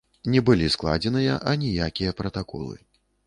Не былі складзеныя аніякія пратаколы.